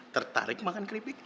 tertarik makan keripik